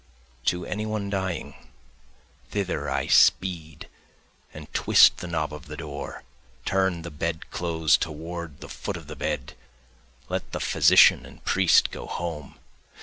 To any one dying, thither I speed and twist the knob of the door. Turn the bed clothes toward the foot of the bed, Let the physician and the priest go home.